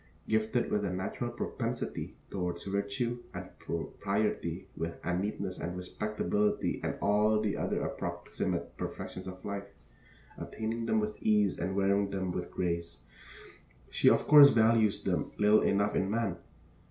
Gifted with a natural propensity toward virtue and propriety and neatness and respectability and all the other approximate perfections of life, attaining them with ease and wearing them with grace, she of course values them little enough in man.